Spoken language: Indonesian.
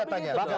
gak apa datanya